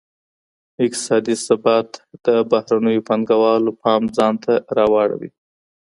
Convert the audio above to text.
اقتصادي ثبات به د بهرنیو پانګوالو پام ځانته را واړوي.